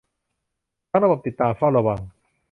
ทั้งระบบ ติดตาม เฝ้าระวัง